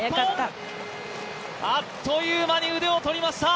あっという間に腕をとりました。